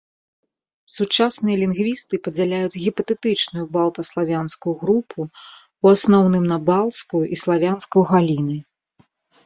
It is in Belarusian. Сучасныя лінгвісты падзяляюць гіпатэтычную балта-славянскую групу ў асноўным на балцкую і славянскую галіны.